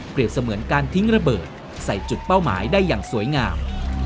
เสมือนการทิ้งระเบิดใส่จุดเป้าหมายได้อย่างสวยงาม